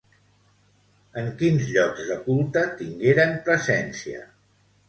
En quins llocs de culte tingueren presència?